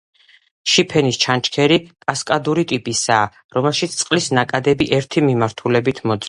შიფენის ჩანჩქერი კასკადური ტიპისაა, რომელშიც წყლის ნაკადები ერთი მიმართულებით მოძრაობენ.